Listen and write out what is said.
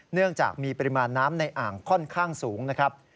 เนื่องจากมีปริมาณน้ำในอ่างค่อนข้างสูงนะครับ